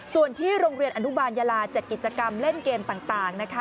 ส่วนที่โรงเรียนอนุบาลยาลาจัดกิจกรรมเล่นเกมต่างนะคะ